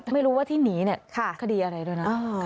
ไม่รู้ว่าที่หนีเนี่ยคดีอะไรด้วยนะ